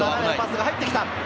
入ってきた。